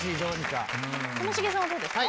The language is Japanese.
ともしげさんはどうですか？